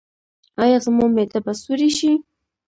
ایا زما معده به سورۍ شي؟